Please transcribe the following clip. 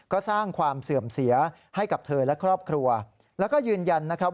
ก็สร้างความเสื่อมเสียให้กับเธอและครอบครัวแล้วก็ยืนยันนะครับ